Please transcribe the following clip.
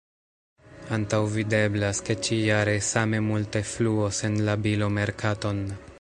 Antaŭvideblas ke ĉi-jare same multe fluos en la bilomerkaton.